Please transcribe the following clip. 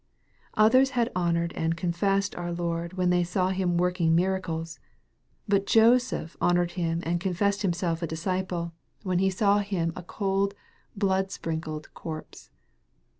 Others had honored and confessed oui Lord when they saw Him working miracles, but, Joseph honored Him and confessed himself a disciple, when h& 352 EXPOSITOKY THOUGHTS. saw Him a cold, blood sprinkled corpse.